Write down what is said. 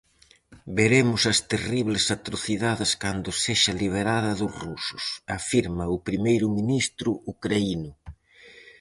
Veremos as terribles atrocidades cando sexa liberada dos rusos, afirma o primeiro ministro ucraíno.